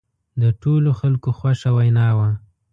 د ټولو خلکو خوښه وینا وه.